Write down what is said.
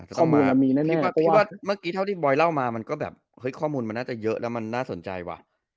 แต่ข้อมูลว่าเมื่อกี้เท่าที่บอยเล่ามามันก็แบบเฮ้ยข้อมูลมันน่าจะเยอะแล้วมันน่าสนใจว่ะ